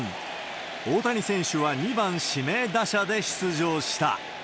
大谷選手は２番指名打者で出場した。